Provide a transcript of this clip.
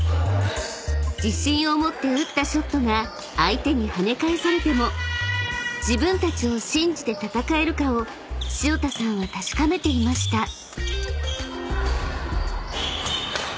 ［自信を持って打ったショットが相手にはね返されても自分たちを信じて戦えるかを潮田さんは確かめていました］